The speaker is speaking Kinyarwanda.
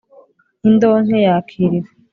indonke yakiriwe